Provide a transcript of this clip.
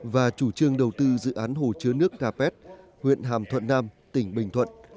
và chủ trương đầu tư dự án hồ chứa nước capet huyện hàm thuận nam tỉnh bình thuận